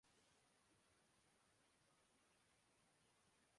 مسئلہ حل ہوا ہے۔